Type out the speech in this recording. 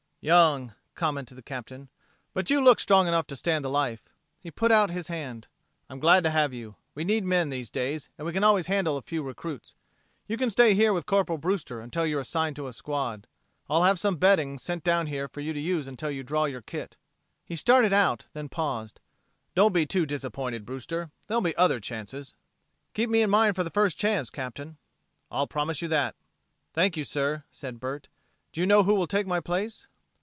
"Young," commented the Captain, "but you look strong enough to stand the life." He put out his hand. "I'm glad to have you. We need men these days, and we can always handle a few recruits. You can stay here with Corporal Brewster until you're assigned to a squad. I'll have some bedding sent down here for you to use until you draw your kit." He started out, then paused. "Don't be too disappointed, Brewster. There'll be other chances." "Keep me in mind for the first chance, Captain." "I'll promise you that." "Thank you, sir," said Bert. "Do you know who will take my place?"